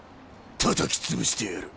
たたき潰してやる！